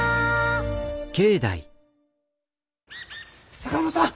坂本さん！